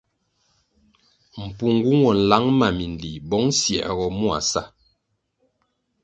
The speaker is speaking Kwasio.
Mpungu nwo nlang ma minlih bong siergoh mua sa.